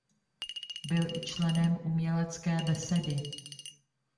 Byl i členem Umělecké besedy.